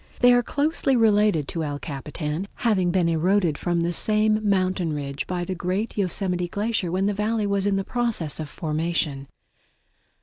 They are closely related to El Capitan, having been eroded from the same mountain ridge by the great Yosemite Glacier when the Valley was in process of formation.